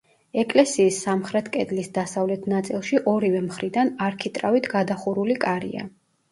ეკლესიის სამხრეთ კედლის დასავლეთ ნაწილში ორივე მხრიდან არქიტრავით გადახურული კარია.